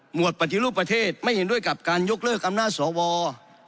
วดปฏิรูปประเทศไม่เห็นด้วยกับการยกเลิกอำนาจสว